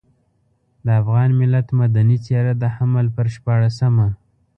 د افغان ملت مدني څېره د حمل پر شپاړلسمه.